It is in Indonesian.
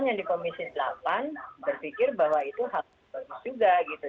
yang di komisi delapan berpikir bahwa itu hal bagus juga gitu